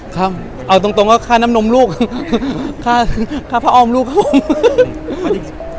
ครับเอาตรงตรงว่าค่าน้ำนมลูกค่าพระออมลูกครับผม